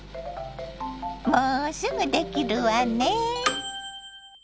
もうすぐできるわねぇ。